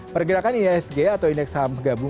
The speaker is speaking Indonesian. pergerakan iisg atau indeks saham gabungan hari ini